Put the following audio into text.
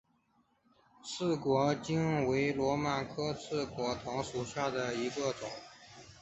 翅果藤为萝藦科翅果藤属下的一个种。